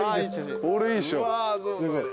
これいいでしょ。